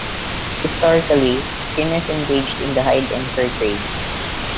Historically, skinners engaged in the hide and fur trades.